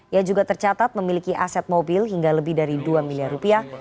ia juga tercatat memiliki aset mobil hingga lebih dari dua miliar rupiah